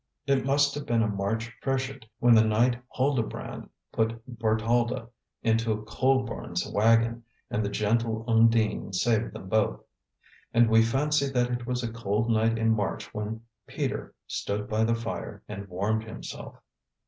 It must have been a March freshet when the Knight Huldebrand put Bertalda into Kuhleborn's wagon and the gentle Undine saved them both. And we fancy that it was a cold night in March when Peter stood by the fire and warmed himself.